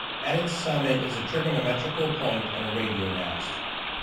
At its summit is a trigonometrical point, and a radio mast.